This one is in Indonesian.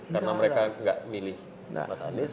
karena mereka tidak memilih mas anies